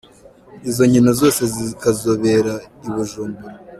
Izo nkino zose zikazobera i Bujumbura.